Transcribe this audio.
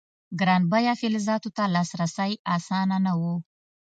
ګران بیه فلزاتو ته لاسرسی اسانه نه و.